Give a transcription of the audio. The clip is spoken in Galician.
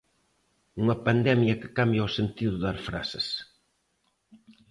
Unha pandemia que cambia o sentido das frases.